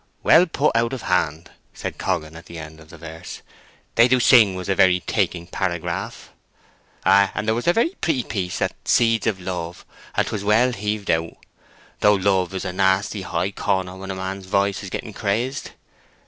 "Well put out of hand," said Coggan, at the end of the verse. "'They do sing' was a very taking paragraph." "Ay; and there was a pretty place at 'seeds of love.' and 'twas well heaved out. Though 'love' is a nasty high corner when a man's voice is getting crazed.